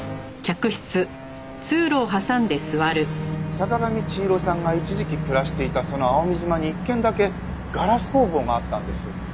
坂上千尋さんが一時期暮らしていたその蒼海島に１軒だけガラス工房があったんです。